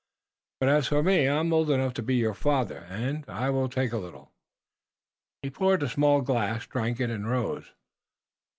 But as for me, I am old enough to be your father, und I will take a little." He poured a small glass, drank it, and rose.